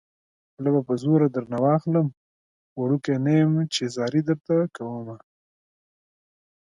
خوله به په زوره درنه واخلم وړوکی نه يم چې ځاري درته کومه